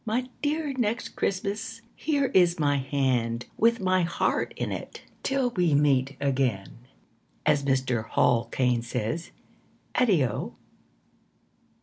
My dear Next Christmas, Here is my hand, With my heart in it. Till we meet again As Mr. Hall Caine says Addio.